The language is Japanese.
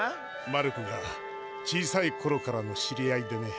マルクが小さいころからの知り合いでね。